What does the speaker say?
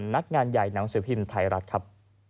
นักงานใหญ่หนังสือพิมพ์ไทยรัฐครับ